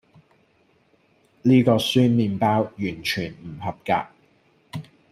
呢個酸麵包完全唔合格